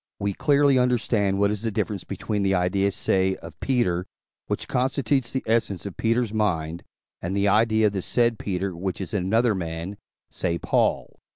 we clearly understand what is the difference between the idea, say, of Peter, which constitutes the essence of Peter's mind, and the idea of the said Peter, which is in another man, say, Paul.